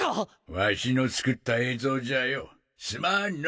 ワシの作った映像じゃよすまんの。